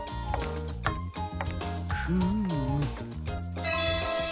フーム。